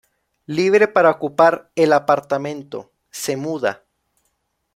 Libre para ocupar el apartamento, se muda.